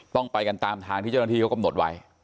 ต้องไปกันตามทางที่เจ้าหน้าที่เขากำหนดไว้